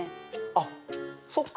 あっそっか。